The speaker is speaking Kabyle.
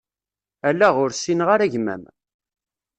Ala, ur ssineɣ ara gma-m.